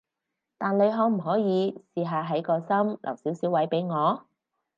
但你可唔可以試下喺個心留少少位畀我？